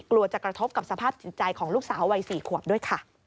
จะกระทบกับสภาพจิตใจของลูกสาววัย๔ขวบด้วยค่ะ